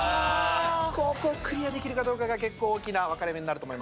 ここをクリアできるかどうかが結構大きな分かれ目になると思います。